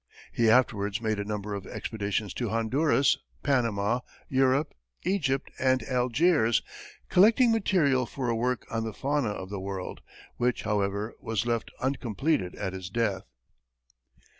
He afterwards made a number of expeditions to Honduras, Panama, Europe, Egypt and Algiers, collecting material for a work on the fauna of the world, which, however, was left uncompleted at his death.